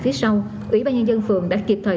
phía sau ủy ban nhân dân phường đã kịp thời